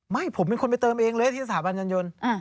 ไม่ผมเป็นคนไปเติมเองเลยที่สถาบันยันยนต์